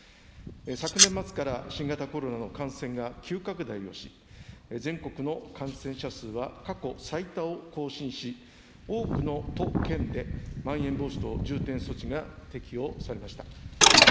昨年末から新型コロナの感染が急拡大をし、全国の感染者数は過去最多を更新し、多くの都県でまん延防止等重点措置が適用されました。